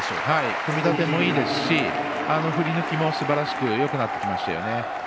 組み立てもいいですし振り抜きもすばらしくよくなってきましたよね。